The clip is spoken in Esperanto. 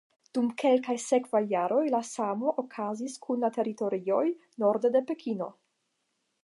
Dum kelkaj sekvaj jaroj la samo okazis kun la teritorioj norde de Pekino.